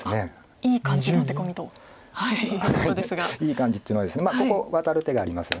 いい感じっていうのはここワタる手がありますよね。